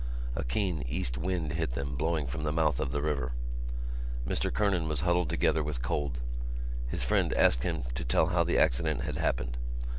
A keen east wind hit them, blowing from the mouth of the river. Mr Kernan was huddled together with cold. His friend asked him to tell how the accident had happened.